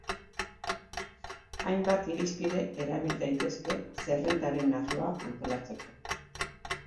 Hainbat irizpide erabil daitezke zerrendaren arloak antolatzeko.